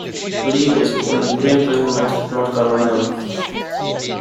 Lee was born in Greenville, North Carolina.